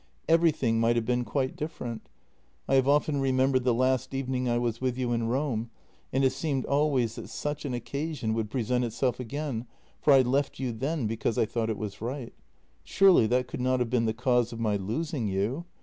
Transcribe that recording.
Everything might have been quite different. I have often remembered the last evening I was with you in Rome, and it seemed always that such an occasion would present itself again, for I left you then because I thought it was right. Surely, that could not have been the cause of my losing you?